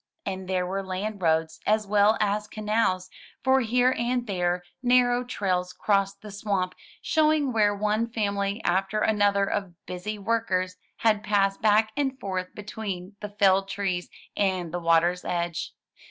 And there were land roads, as well as canals, for here and there narrow trails crossed the swamp, showing where one family after another of busy workers had passed back and forth between the felled trees and the water's edge.